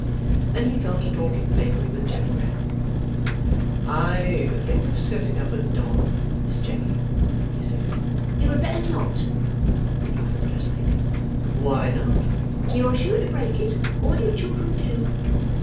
Then he fell to talking playfully with Jenny Wren. 'I think of setting up a doll, Miss Jenny,' he said. 'You had better not,' replied the dressmaker. 'Why not?' 'You are sure to break it. All you children do.